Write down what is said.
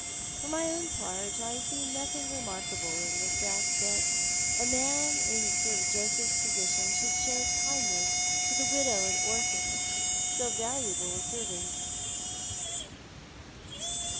For my own part I see nothing remarkable in the fact that a man in Sir Joseph's position should show kindness to the widow and orphan of so valuable a servant."